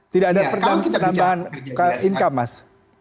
tidak ada penambahan income mas